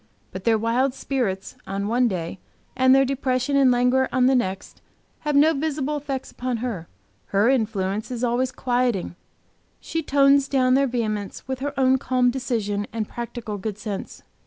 But their wild spirits on one day, and their depression and languor on the next, have no visible effect upon her. Her influence is always quieting; she tones down their vehemence with her own calm decision and practical good sense.